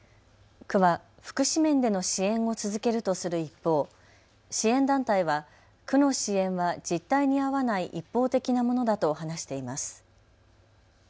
区は福祉面での支援を続けるとする一方、支援団体は区の支援は実態に合わない一方的なものだと話しています。